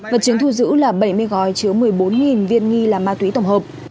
vật chứng thu giữ là bảy mươi gói chứa một mươi bốn viên nghi là ma túy tổng hợp